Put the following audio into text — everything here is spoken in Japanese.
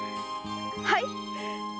はい！